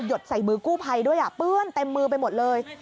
ดใส่มือกู้ภัยด้วยเปื้อนเต็มมือไปหมดเลย